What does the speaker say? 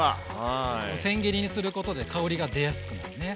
せん切りにすることで香りが出やすくなるね。